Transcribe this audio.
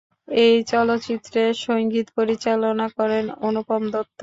এই চলচ্চিত্রে সংগীত পরিচালনা করেন অনুপম দত্ত।